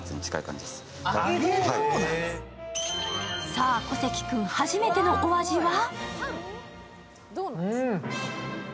さあ小関君、初めてのお味は？